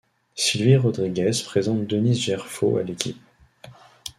Sylvie Rodriguez présente Denis Gerfaud à l'équipe.